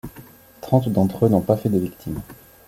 Trente d'entre eux n'ont pas fait de victime.